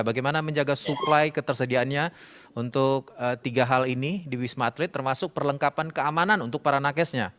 bagaimana menjaga supply ketersediaannya untuk tiga hal ini di wisma atlet termasuk perlengkapan keamanan untuk para nakesnya